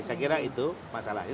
saya kira itu masalahnya